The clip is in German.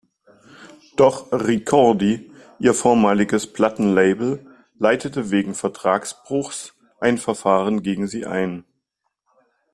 Doch Ricordi, ihr vormaliges Plattenlabel, leitete wegen Vertragsbruchs ein Verfahren gegen sie ein.